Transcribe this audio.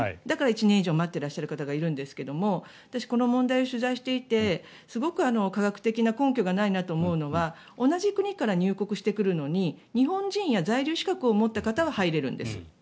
だから１年以上待っていらっしゃる方がいるんですが私、この問題を取材してきてすごく科学的な根拠がないなと思うのは同じ国から入国してくるのに日本人や在留資格を持った方は入れるんです。